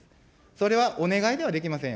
それはお願いではできません。